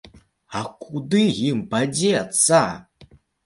А куды ім падзецца!